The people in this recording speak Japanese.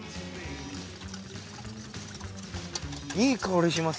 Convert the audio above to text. いい香りします